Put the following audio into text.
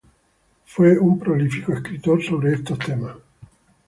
Fue un prolífico escritor sobre estos temas.